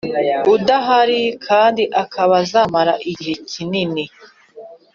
udahari kandi akaba azamara igihe kinini